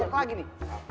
kampuk lagi nih